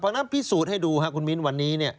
เพราะฉะนั้นพิสูจน์ให้ดูครับคุณมิ้นวันนี้